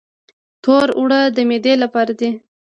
تور اوړه د معدې لپاره دي.